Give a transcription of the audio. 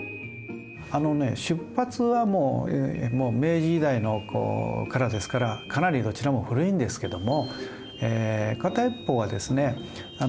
あのね出発はもう明治時代からですからかなりどちらも古いんですけども片一方はですね